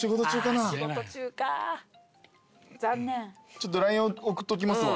ちょっとＬＩＮＥ送っときますわ。